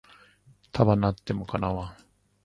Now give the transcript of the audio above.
束なっても叶わん